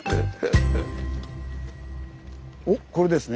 おっこれですね。